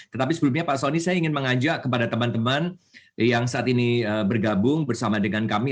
tetapi sebelumnya pak soni saya ingin mengajak kepada teman teman yang saat ini bergabung bersama dengan kami